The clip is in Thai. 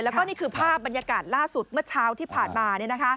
แล้วก็นี่คือภาพบรรยากาศล่าสุดเมื่อเช้าที่ผ่านมา